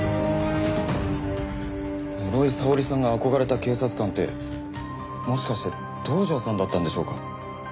室井沙織さんが憧れた警察官ってもしかして道上さんだったんでしょうか？